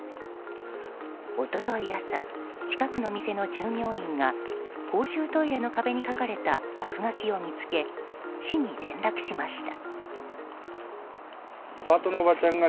一昨日朝、近くの店の従業員が公衆トイレの壁に描かれた落書きを見つけ市に連絡しました。